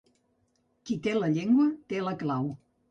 Qui té la llengua, té la clau.